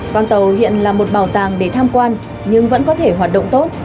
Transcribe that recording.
con tàu hiện là một bảo tàng để tham quan nhưng vẫn có thể hoạt động tốt